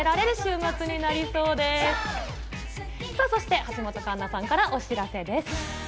そして橋本環奈さんからお知らせです。